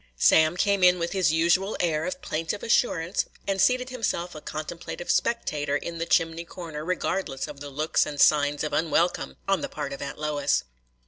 Sam came in with his usual air of plaintive assurance, and seated himself a contemplative spectator in the chimney corner, regardless of the looks and signs of unwelcome on the part of Aunt Lois.